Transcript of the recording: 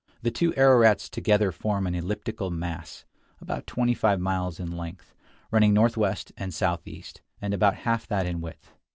The two Ararats together form an elliptical mass, about twenty five miles in length, running northwest and southeast, and about half that in width.